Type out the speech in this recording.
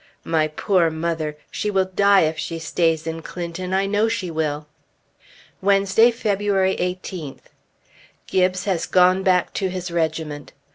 My poor mother! She will die if she stays in Clinton, I know she will! Wednesday, February 18th. Gibbes has gone back to his regiment.